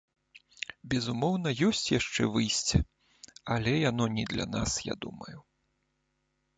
Безумоўна, ёсць яшчэ выйсце, але яно не для нас, я думаю.